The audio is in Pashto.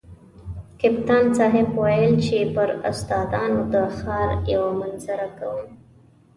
کپتان صاحب ویل چې پر استادانو د ښار یوه منظره کوم.